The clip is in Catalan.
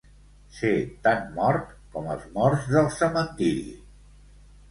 Ser tan mort com els morts del cementiri.